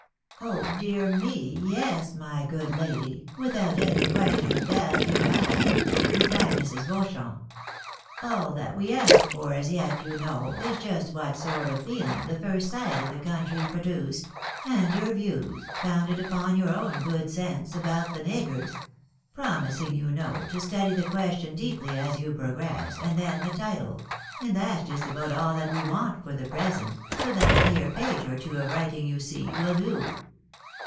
" Oh dear me, yes, my good lady, without any question of doubt you have," replied Mrs. Beauchamp. " All that v/o ask for as yet, you know, is just what sort of feeling the first sight of tl le country produced ; and your views, founded upon your own good sense, about the niggers ; promising, you know, to study the ques tion deeply as you progress, and then the title ; and that's just about all that we want for the present, so that a mere page or two of writing you see will do."